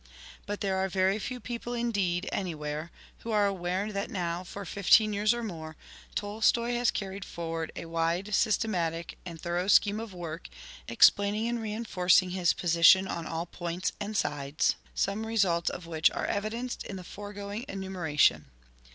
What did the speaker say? But there are very few people indeed, anywhere, who are aware that now, for fifteen years or more, Tolstoi' has carried forward a wide, systematic and thor ough scheme of work, explaining and reinforcing his position on all points and sides ; some results of which are evidenced in the foregoing enumera tion.